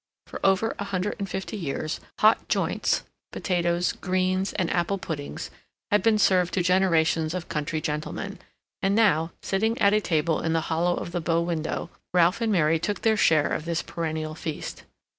For over a hundred and fifty years hot joints, potatoes, greens, and apple puddings had been served to generations of country gentlemen, and now, sitting at a table in the hollow of the bow window, Ralph and Mary took their share of this perennial feast.